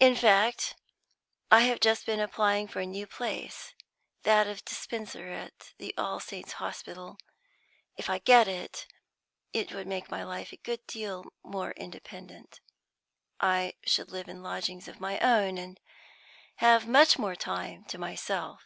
In fact, I have just been applying for a new place, that of dispenser at the All Saints' Hospital. If I get it, it would make my life a good deal more independent. I should live in lodgings of my own, and have much more time to myself."